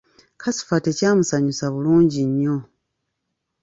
Kasifa tekyamusanyusa bulungi nnyo.